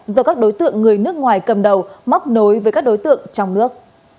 do các đối tượng người nước ngoài cầm đầu móc nối với các đối tượng trong nước